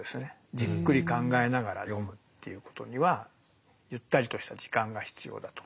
じっくり考えながら読むっていうことにはゆったりとした時間が必要だと。